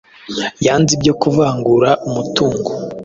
yanze ibyo kuvangura umutungo